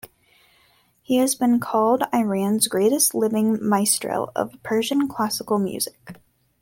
He has been called Iran's greatest living maestro of Persian classical music.